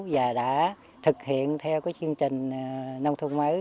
và đã thực hiện theo cái chương trình nông thôn mới